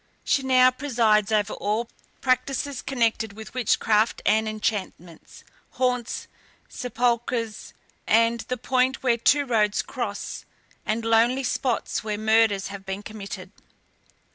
She now presides over all practices connected with witchcraft and enchantments, haunts sepulchres, and the point where two roads cross, and lonely spots where murders have been committed.